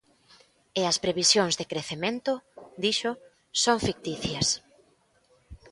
E as previsións de crecemento, dixo, "son ficticias".